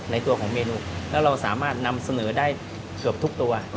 ในตัวของเมนูแล้วเราสามารถนำเสนอได้เกือบทุกตัว